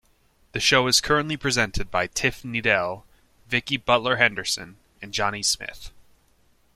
The show is currently presented by Tiff Needell, Vicki Butler-Henderson and Jonny Smith.